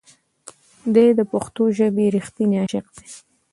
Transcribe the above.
دی د پښتو ژبې رښتینی عاشق دی.